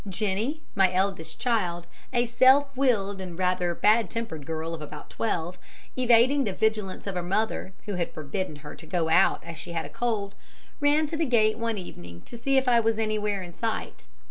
Jennie, my eldest child, a self willed and rather bad tempered girl of about twelve, evading the vigilance of her mother, who had forbidden her to go out as she had a cold, ran to the gate one evening to see if I was anywhere in sight.